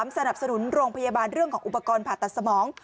สนับสนุนโรงพยาบาลเรื่องของอุปกรณ์ผ่าตัดสมอง